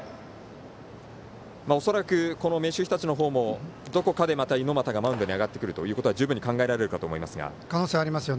恐らく、明秀日立のほうもどこかで猪俣がマウンドに上がってくることは十分に考えられるかと思いますが。